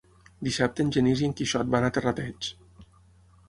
Dissabte en Genís i en Quixot van a Terrateig.